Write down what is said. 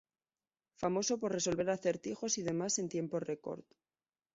Famoso por resolver acertijos y demás en tiempo record.